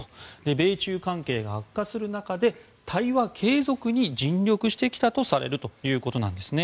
米中関係が悪化する中で対話継続に尽力してきたとされているわけなんですね。